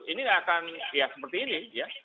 ini akan ya seperti ini ya